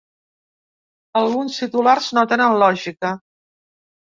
Alguns titulars no tenen lògica.